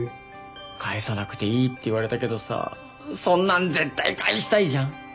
返さなくていいって言われたけどさそんなん絶対返したいじゃん。